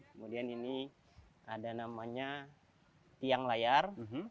kemudian ini ada namanya tiang layar